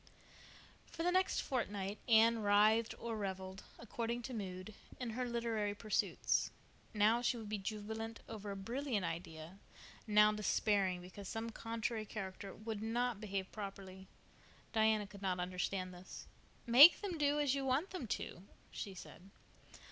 For the next fortnight Anne writhed or reveled, according to mood, in her literary pursuits. Now she would be jubilant over a brilliant idea, now despairing because some contrary character would not behave properly. Diana could not understand this. "Make them do as you want them to," she said.